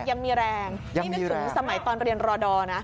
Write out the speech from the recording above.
ยังมีแรงนี่นึกถึงสมัยตอนเรียนรอดอร์นะ